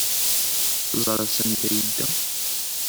Teẓriḍ sanda ay yedda?